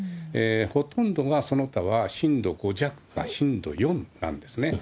ほとんどがその他は震度５弱か震度４なんですね。